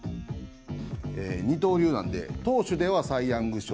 二刀流なので投手ではサイ・ヤング賞。